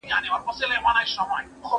د کندهار صنعت کي د کارګرو رول څه دی؟